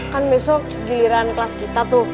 kan besok giliran kelas kita tuh